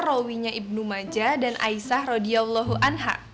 rawinya ibnu maja dan aisah rodiallohu anha